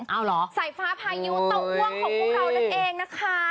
เอาเหรอสายฟ้าพายุเตาอ้วงของพวกเรานั่นเองนะคะ